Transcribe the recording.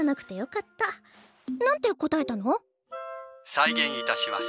再現いたします。